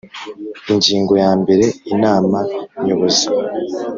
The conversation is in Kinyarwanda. Ingingo ya mbere Inama Nyobozi